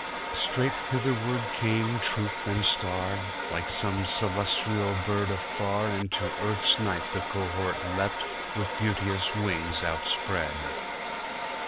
Straight hitherward came troop and star; Like some celestial bird afar Into Earth's night the cohort leapt With beauteous wings outspread.